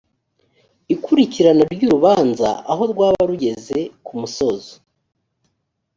ikurikirana ry urubanza aho rwaba rugeze kumusozo